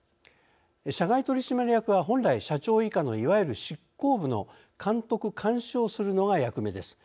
社外取締役は本来社長以下のいわゆる執行部の監督・監視をするのが役目です。